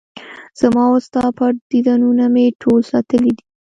زما وستا پټ دیدنونه مې ټول ساتلي دي